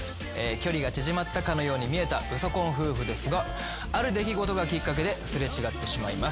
距離が縮まったかのように見えたウソ婚夫婦ですがある出来事がきっかけで擦れ違ってしまいます。